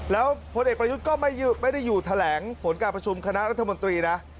แล้วพลเอกประยุทธ์ก็ไม่ได้อยู่แถลงผลการประชุมคณะรัฐมนตรีนะ